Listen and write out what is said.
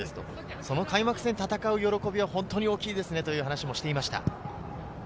その開幕戦を戦う喜びは本当に大きいですねと話していました。